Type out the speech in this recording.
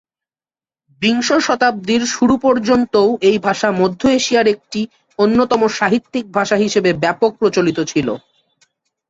বিংশ শতাব্দীর শুরু পর্যন্তও এই ভাষা মধ্য এশিয়ার একটি অন্যতম সাহিত্যিক ভাষা হিসেবে ব্যাপক প্রচলিত ছিল।